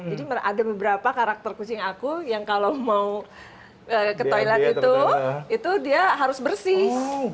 jadi ada beberapa karakter kucing aku yang kalau mau ke toilet itu itu dia harus bersih